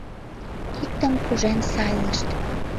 Иктым пужен сайлышт.